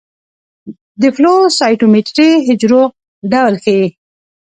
د فلو سايټومېټري حجرو ډول ښيي.